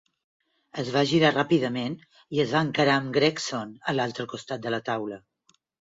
Es va girar ràpidament i es va encarar amb Gregson a l'altre costat de la taula.